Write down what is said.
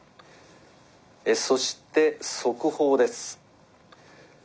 えそして速報です。